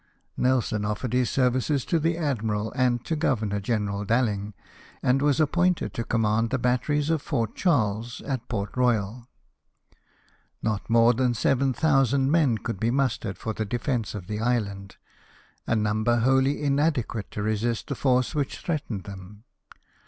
Nelson offered his services to the Admiral and to Governor General Dalling, and was appointed to command the c IS LIFE OF NELSON. batteries of Fort Charles, at Port Royal. Not more than seven thousand men could be mustered for the defence of the island — a number wholly inadequate to resist the force which threatened them.